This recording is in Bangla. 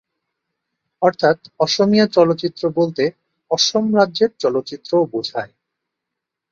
অর্থাৎ অসমীয়া চলচ্চিত্র বলতে অসম রাজ্যের চলচ্চিত্রও বুঝায়।